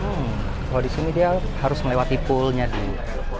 hmm kalau di sini dia harus melewati poolnya dulu